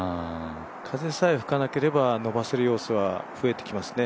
風さえ吹かなければ伸ばせる要素は増えてきますね。